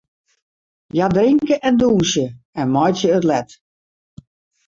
Hja drinke en dûnsje en meitsje it let.